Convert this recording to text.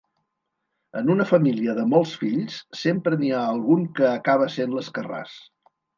En una família de molts fills, sempre n'hi ha algun que acaba essent l'escarràs.